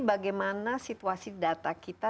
bagaimana situasi data kita